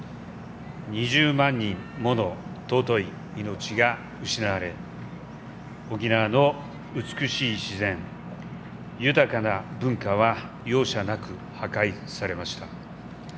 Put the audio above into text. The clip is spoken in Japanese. ２０万人もの尊い命が失われ沖縄の美しい自然、豊かな文化は容赦なく破壊されました。